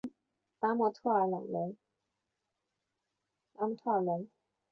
拉莫特朗代尔龙。